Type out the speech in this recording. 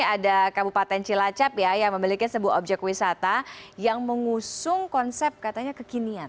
ada kabupaten cilacap ya yang memiliki sebuah objek wisata yang mengusung konsep katanya kekinian